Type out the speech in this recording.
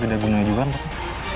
ada gunanya juga pak